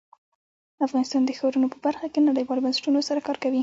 افغانستان د ښارونه په برخه کې نړیوالو بنسټونو سره کار کوي.